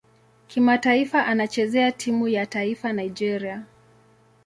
Kimataifa anachezea timu ya taifa Nigeria.